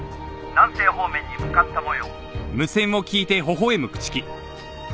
「南西方面に向かった模様」